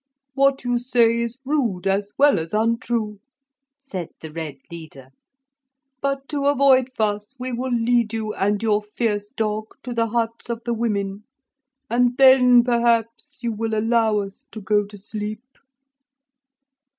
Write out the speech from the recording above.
'What you say is rude as well as untrue,' said the red leader; 'but to avoid fuss we will lead you and your fierce dog to the huts of the women. And then perhaps you will allow us to go to sleep.'